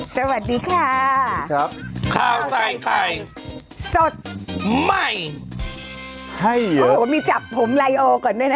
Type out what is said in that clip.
สวัสดีค่ะสวัสดีครับข้าวใส่ไข่สดใหม่ให้เยอะโอ้โหมีจับผมลายโอก่อนด้วยนะ